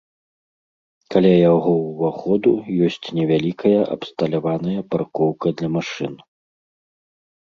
Каля яго ўваходу ёсць невялікая абсталяваная паркоўка для машын.